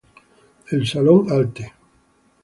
El "Salón Alte.